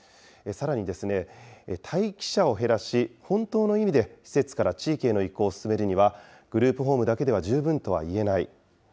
さらに、待機者を減らし、本当の意味で施設から地域への移行を進めるには、グループホームだけでは十分とはいえない。